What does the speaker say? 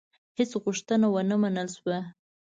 هیڅ غوښتنه ونه منل شوه.